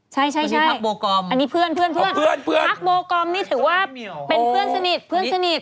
ใช่อันนี้เพื่อนพักโบกรมนี่ถือว่าเป็นเพื่อนสนิท